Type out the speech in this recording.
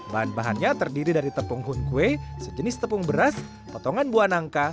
bahan bahannya terdiri dari tepung hunkwe sejenis tepung beras potongan buah nangka